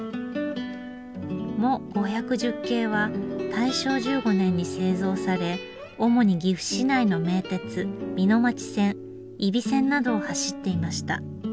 モ５１０形は大正１５年に製造され主に岐阜市内の名鉄美濃町線揖斐線などを走っていました。